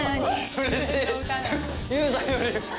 うれしい。